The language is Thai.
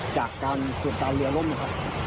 จากการจุดการเรือล่มนะครับ